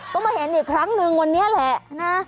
ก็มาเห็นอีกครั้งนึงวันนี้แหละนะ